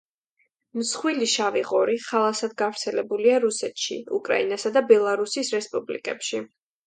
მსხვილი შავი ღორი ხალასად გავრცელებულია რუსეთში, უკრაინასა და ბელარუსის რესპუბლიკებში.